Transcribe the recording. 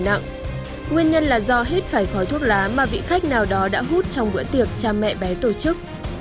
nặng nguyên nhân là do hít phải khói thuốc lá mà vị khách nào đó đã hút trong bữa tiệc cha mẹ bé tổ chức